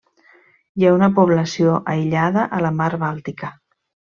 Hi ha una població aïllada a la Mar Bàltica.